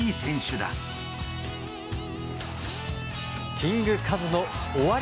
キングカズの終わり